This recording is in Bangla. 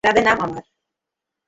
রাধে নাম আমার।